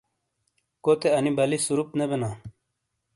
کوتے انی بَلی سُورُوپ نے بینا۔